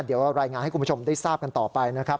เดี๋ยวรายงานให้คุณผู้ชมได้ทราบกันต่อไปนะครับ